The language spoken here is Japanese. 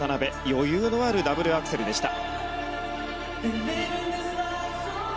余裕のあるダブルアクセルでした。